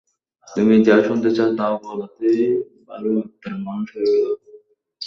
তুমি যা শুনতে চাও তা বলাতেই ভালো আত্মার মানুষ হয়ে গেল!